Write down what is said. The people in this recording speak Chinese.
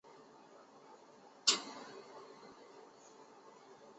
历任中国工农红军卫生学校校长。